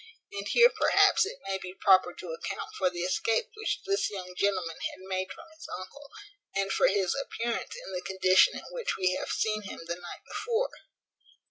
And here perhaps it may be proper to account for the escape which this young gentleman had made from his uncle, and for his appearance in the condition in which we have seen him the night before.